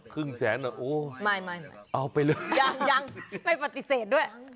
ครึ่งแสนอ่ะโอ้ไม่เอาไปเลยยังยังไม่ปฏิเสธด้วย